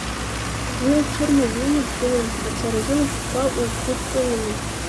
Уи лҽырмазеины дгылан, ацаразы лышәҟәқәа лгәыдкыланы.